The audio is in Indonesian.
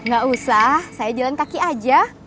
gak usah saya jalan kaki aja